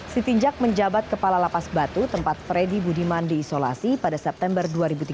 sitinjak menjabat kepala lapas batu tempat freddy budiman diisolasi pada september dua ribu tiga belas